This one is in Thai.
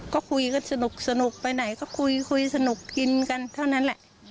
ก็คุยกันสนุกไปไหนก็คุยคุยสนุกกินกันเท่านั้นแหละ